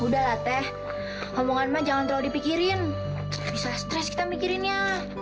udah lah teh ngomongan mah jangan terlalu dipikirin bisa stress kita mikirin ya